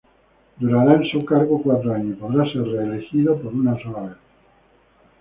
Durará en su cargo cuatro años y podrá ser reelecto por una sola vez.